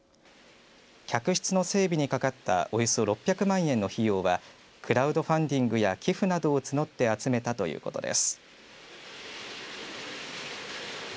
客室の整備にかかったおよそ６００万円の費用はクラウドファンディングや給付などを募って集めたということです。